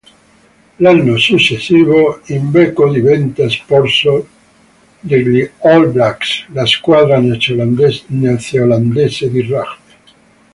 L'anno successivo Iveco diventa sponsor degli All Blacks, la squadra neozelandese di Rugby.